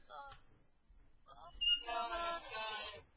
afanyika katika muda mfupi ujao na kwamba baadhi ya mawaziri